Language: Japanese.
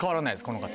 この方。